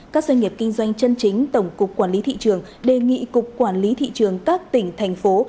các doanh nghiệp kinh doanh chân chính tổng cục quản lý thị trường đề nghị cục quản lý thị trường các tỉnh thành phố